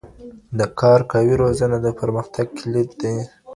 د کار قوې روزنه د پرمختګ کلید دی.